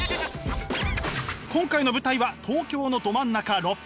今回の舞台は東京のど真ん中六本木！